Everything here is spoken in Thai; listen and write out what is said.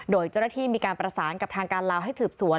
โดยเจ้าหน้าที่มีการประสานกับทางการลาวให้สืบสวน